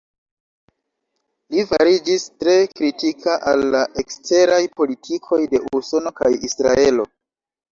Li fariĝis tre kritika al la eksteraj politikoj de Usono kaj Israelo.